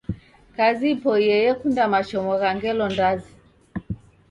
Kazi ipoiye yekunda mashomo gha ngelo ndazi